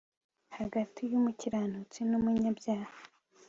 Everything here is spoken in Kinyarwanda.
hagati y umukiranutsi n umunyabyaha